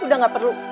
udah gak perlu